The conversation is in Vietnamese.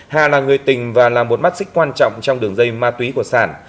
hà là người tình và là một mắt xích quan trọng trong đường dây ma túy của sản